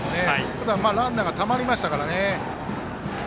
ただ、ランナーがたまりましたからね。